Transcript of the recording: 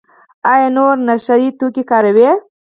ایا نور نشه یي توکي کاروئ؟